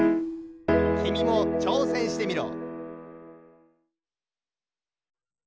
きみもちょうせんしてみろ。